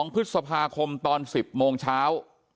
๒พฤษภาคมตอน๑๐โมงเช้า